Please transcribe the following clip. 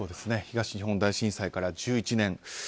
東日本大震災から１１年。